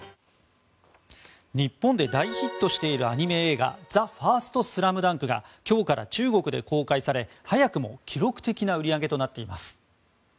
日本で大ヒットしているアニメ映画「ＴＨＥＦＩＲＳＴＳＬＡＭＤＵＮＫ」が今日から中国で公開され早くも記録的な売り上げとなっています。